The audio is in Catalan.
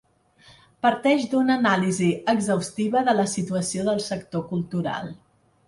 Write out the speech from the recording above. Parteix d’una anàlisi exhaustiva de la situació del sector cultural.